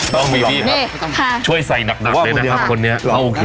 ต้องมีที่ครับช่วยใส่หนักเลยนะครับคนนี้โอเค